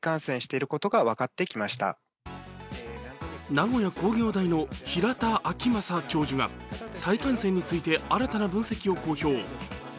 名古屋工業大の平田晃正教授が再感染について新たな分析を公表。